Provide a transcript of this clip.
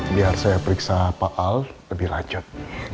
biar saya periksa paal lebih rancut